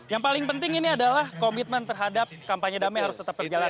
yang paling penting ini adalah komitmen terhadap kampanye damai harus tetap berjalan